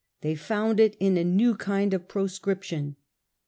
They found it in a new kind They con6s proscription.